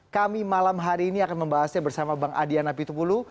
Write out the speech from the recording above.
kami malam hari ini akan membahasnya bersama bang adian apitupulu